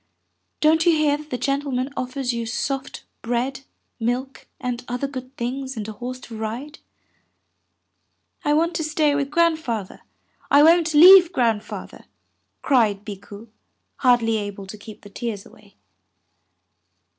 Don't you hear that the gentle man offers you soft bread, milk, and other good things and a horse to ride?" "I want to stay with Grandfather, I won't leave Grandfather," cried Bikku, hardly able to keep the tears away.